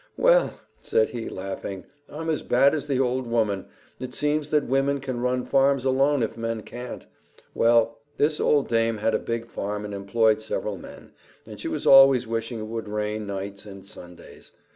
"Well," said he, laughing, "I'm as bad as the old woman it seems that women can run farms alone if men can't. Well, this old dame had a big farm and employed several men, and she was always wishing it would rain nights and Sundays.